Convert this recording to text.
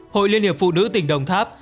hội liên hiệp phụ nữ tỉnh đồng tháp